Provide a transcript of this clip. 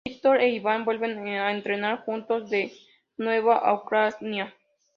Viktor e Ivan vuelven a entrenar juntos de nuevo a Ucrania.